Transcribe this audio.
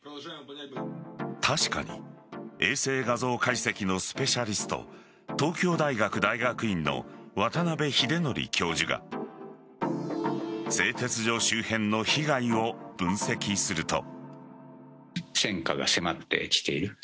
確かに衛星画像解析のスペシャリスト東京大学大学院の渡邉英徳教授が製鉄所周辺の被害を分析すると。